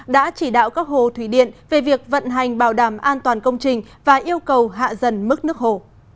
đã chỉ đạo các hồ thủy điện về việc vận hành bảo đảm an toàn công trình và yêu cầu hạ dần mức nước hồ